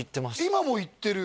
今も行ってる？